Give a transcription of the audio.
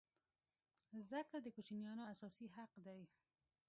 زده کړه د کوچنیانو اساسي حق دی.